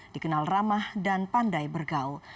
dikenal ramah dan pandai bergaul